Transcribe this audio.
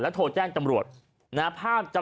แล้วโทรแจ้งจำรวจ